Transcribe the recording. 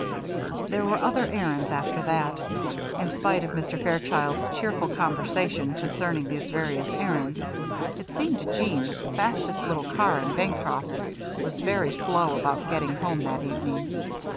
There were other errands after that. In spite of Mr. Fairchild's cheerful conversation concerning these various errands, it seemed to Jeanne that the fastest little car in Bancroft was very slow about getting home that evening.